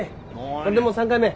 これでもう３回目。